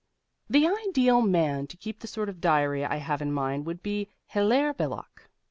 The ideal man to keep the sort of diary I have in mind would be Hilaire Belloc.